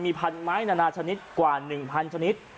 มีพันไม้นานาชนิดกว่า๑๐๐ชนิด